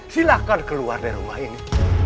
silahkan keluar dari rumah ini